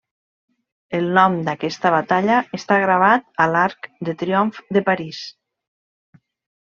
El nom d'aquesta batalla està gravat a l'Arc de triomf de París.